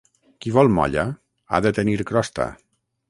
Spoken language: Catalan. Qui vol molla ha de tenir crosta.